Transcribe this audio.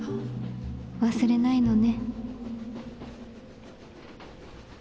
忘れないのね。